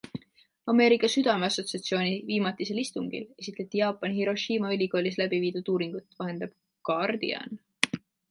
Ameerika südameassotsiatsiooni viimatisel istungil esitleti Jaapani Hiroshima ülikoolis läbi viidud uuringut, vahendab Guardian.